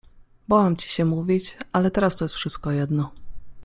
— Bałam ci się mówić, ale teraz to jest wszystko jedno.